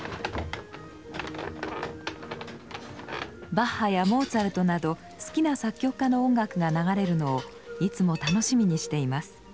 バッハやモーツァルトなど好きな作曲家の音楽が流れるのをいつも楽しみにしています。